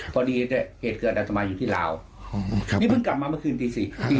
ตอนนี้เหตุความเกิดแต่ตามมาอยู่ที่ลาวนี่เพิ่งกลับมาเมื่อคืนที๔